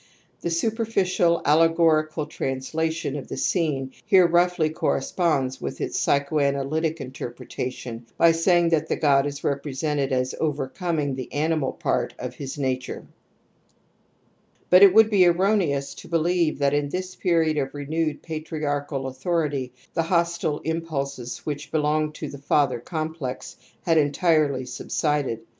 '^Thc Superficial allegorical translation of the scene here roughly corres ponds with its psychoanalytic interpretation by saying that th^od is represented ^ overcoming ^ the animal part of his nature ^^^iD But it would be erroneous to believe that in this period of renewed patriarchal authority the hostile impulses which belong to the father complex had entirely subsided.